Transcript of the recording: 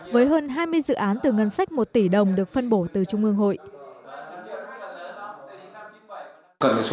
với hơn hai mươi dự án từ ngân sách một tỷ đồng được phân bổ từ nhà